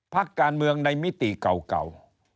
พักการเมืองในมิติเก่า